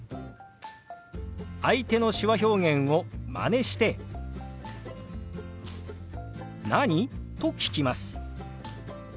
相手の手話表現をまねして「何？」と聞きます。